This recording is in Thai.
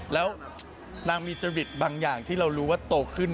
แล้วนางมีจริตบางอย่างที่เรารู้ว่าโตขึ้น